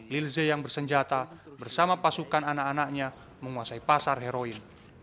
lilze yang bersenjata bersama pasukan anak anaknya menguasai pasar heroin